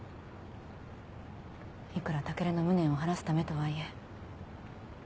いくら武尊の無念を晴らすためとはいえ。